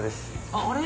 あれ？